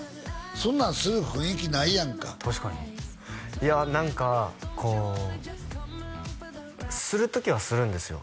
そんなんする雰囲気ないやんか確かにいや何かこうする時はするんですよ